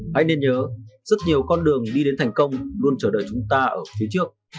hãy nên nhớ rất nhiều con đường đi đến thành công luôn chờ đợi chúng ta ở phía trước